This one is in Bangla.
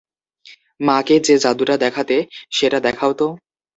মাকে যে যাদুটা দেখাতে, সেটা দেখাও তো।